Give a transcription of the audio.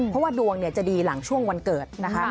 เพราะว่าดวงจะดีหลังช่วงวันเกิดนะคะ